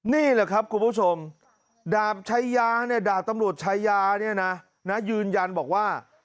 นี่แหละครับคุณผู้ชมดาบชายาเนี่ยดาบตำรวจชายาเนี่ยนะยืนยันบอกว่า